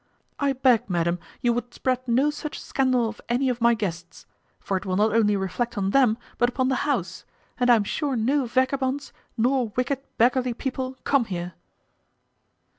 I beg, madam, you would spread no such scandal of any of my guests; for it will not only reflect on them, but upon the house; and I am sure no vagabonds, nor wicked beggarly people, come here."